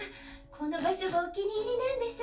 このばしょがおきにいりなんでしょ。